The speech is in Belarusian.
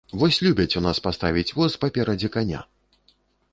Вось любяць у нас паставіць воз паперадзе каня!